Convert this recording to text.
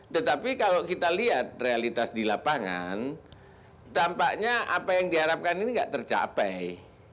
tetapi kalau kita lihat realitas di lapangan tampaknya apa yang diharapkan ini tidak tercapai